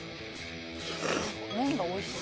麺がおいしそう。